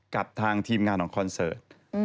กับทางทีมงานของคอนเสิร์ต